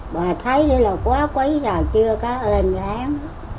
bà thấy là quá quấy rồi chưa có ơn lắm